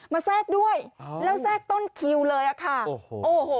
มาแทรกด้วยอ๋อแล้วแทรกต้นคิวเลยอ่ะค่ะโอ้โหโอ้โห